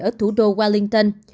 ở thủ đô wellington